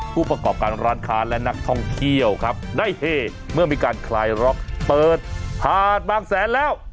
ผู้ประกอบการร้านค้าและนักท่องเที่ยวครับได้เฮเมื่อมีการคลายล็อกเปิดผ่านบางแสนแล้ว